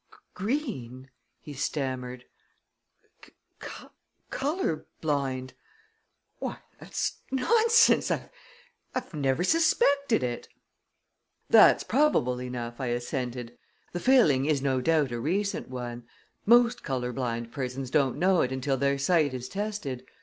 "Green!" he stammered. "Color blind! Why, that's nonsense! I've never suspected it!" "That's probable enough," I assented. "The failing is no doubt a recent one. Most color blind persons don't know it until their sight is tested.